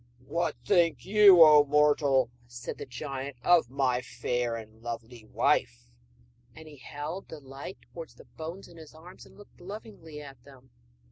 'What think you, O mortal,' said the giant, 'of my fair and lovely wife?' And he held the light towards the bones in his arms and looked lovingly at them.